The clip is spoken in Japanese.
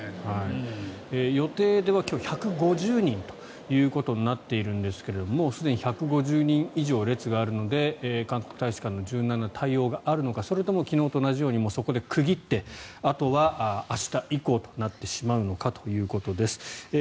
予定では今日、１５０人ということになっているんですがもうすでに１５０人以上列があるので韓国大使館の柔軟な対応があるのかそれとも昨日と同じようにそこで区切ってあとは明日以降となってしまうのかということです。